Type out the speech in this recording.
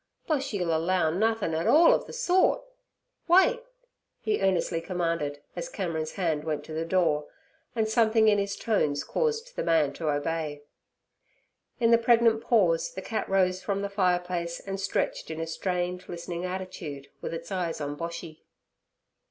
'Boshy'll allow nothin' at all ov ther sort! Wait' he earnestly commanded, as Cameron's hand went to the door, and something in his tones caused the man to obey. In the pregnant pause the cat rose from the fireplace and stretched in a strained, listening attitude, with its eyes on Boshy.